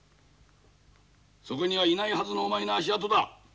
そこにはいないはずのお前の足跡だ。